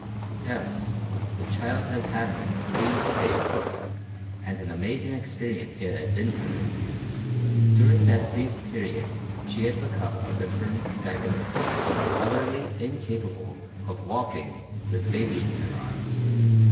Yes; the child had had him three days, and an amazing experience it had been to her. During that brief period she had become a confirmed staggerer, being utterly incapable of walking with baby in her arms.